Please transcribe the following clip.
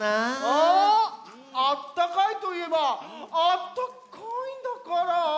「あったかい」といえば「あったかいんだからぁ」だね。